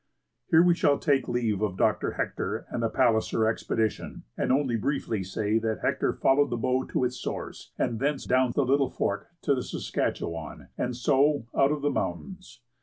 Here we shall take leave of Dr. Hector and the Palliser expedition, and only briefly say that Hector followed the Bow to its source and thence down the Little Fork to the Saskatchewan and so out of the mountains.